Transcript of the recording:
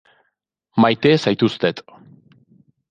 Maite zaituztet.